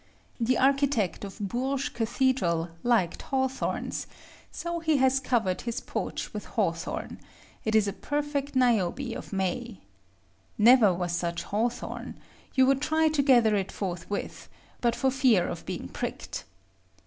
The architect of Bourges Cathedral liked hawthorns; so he has covered his porch with hawthorn, it is a perfect Niobe of May. Never was such hawthorn; you would try to gather it forthwith, but for fear of being pricked.